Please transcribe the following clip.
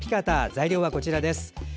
材料はこちらです。